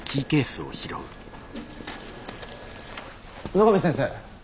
野上先生。